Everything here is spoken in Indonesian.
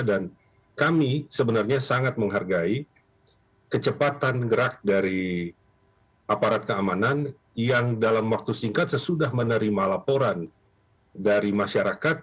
dan kami sebenarnya sangat menghargai kecepatan gerak dari aparat keamanan yang dalam waktu singkat sesudah menerima laporan dari masyarakat